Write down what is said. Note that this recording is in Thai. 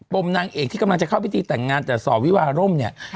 มนางเอกที่กำลังจะเข้าพิธีแต่งงานแต่สอบวิวาร่มเนี่ย